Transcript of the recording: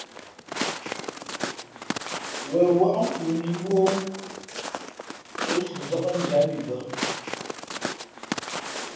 Wen wάʼ nkoo nǐ mbú o, ǒ si zák njǎm i bᾱ.